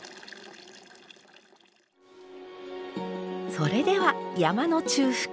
それでは山の中腹へ。